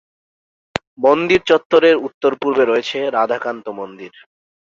মন্দির চত্বরের উত্তর-পূর্বে রয়েছে রাধাকান্ত মন্দির।